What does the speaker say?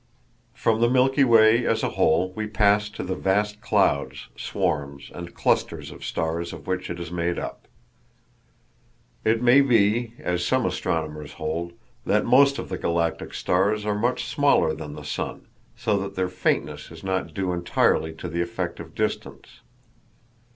From the Milky Way as a whole we pass to the vast clouds, swarms, and clusters of stars of which it is made up. It may be, as some astronomers hold, that most of the galactic stars are much smaller than the sun, so that their faintness is not due entirely to the effect of distance.